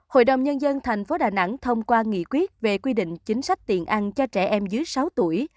hội đồng nhân dân tp đà nẵng thông qua nghị quyết về quy định chính sách tiền ăn cho trẻ em dưới sáu tuổi